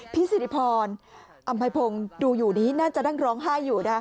สิริพรอำไพพงศ์ดูอยู่นี้น่าจะนั่งร้องไห้อยู่นะ